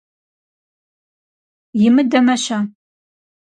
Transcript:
Имыдэмэ-щэ?